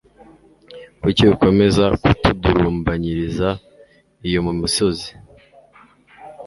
kuki ukomeza kutudurumbanyiriza iyo mu misozi